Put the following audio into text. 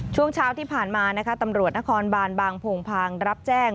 ช่วงเช้าที่ผ่านมานะคะตำรวจนครบานบางโพงพางรับแจ้ง